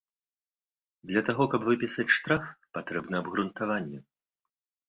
Для таго каб выпісаць штраф, патрэбна абгрунтаванне.